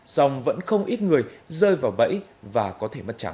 dòng vẫn không ít người rơi vào bẫy và có thể mất trắng